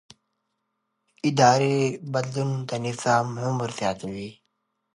اداري بدلون د نظام عمر زیاتوي